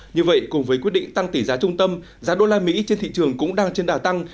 như vậy cùng với quyết định tăng tỷ giá trung tâm giá đô la mỹ trên thị trường cũng đang trên đà tăng